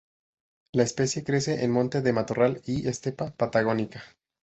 La especie crece en monte de matorral y estepa patagónica.